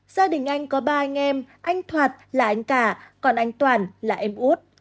gia đình anh có ba anh em anh thoạt là anh cả còn anh toàn là em út